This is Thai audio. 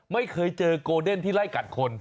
ไม่เคยเจอโกเดนที่ไล่กัดคน